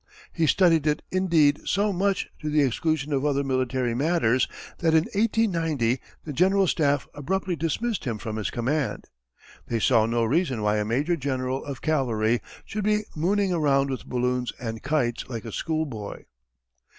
He studied it indeed so much to the exclusion of other military matters that in 1890 the General Staff abruptly dismissed him from his command. They saw no reason why a major general of cavalry should be mooning around with balloons and kites like a schoolboy.